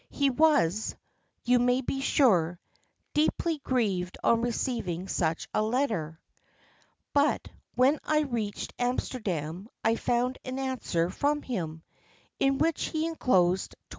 He was, you may be sure, deeply grieved on receiving such a letter, but when I reached Amsterdam I found an answer from him, in which he enclosed £20.